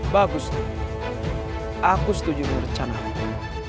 bagus aku setuju dengan rencanamu